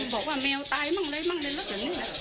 บอกว่าแมวตายบ้างเลยบ้างเลยรถอย่างนึงล่ะ